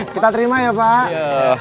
kita terima ya pak